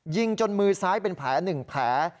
ยิงจนมือซ้ายเป็นแผล๑แผล